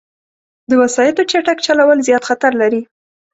د وسايطو چټک چلول، زیاد خطر لري